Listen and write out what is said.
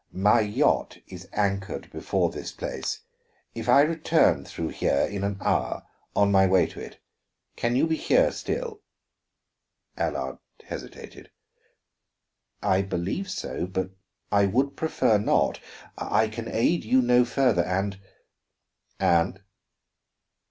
My yacht is anchored before this place if I return through here in an hour, on my way to it, can you be here still?" Allard hesitated. "I believe so, but I would prefer not. I can aid you no further; and " "And?"